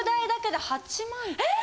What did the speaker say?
えっ！？